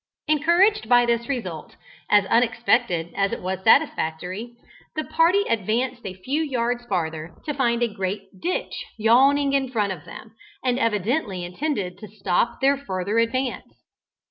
Encouraged by this result, as unexpected as it was satisfactory, the party advanced a few yards farther, to find a great ditch yawning in front of them, and evidently intended to stop their farther advance.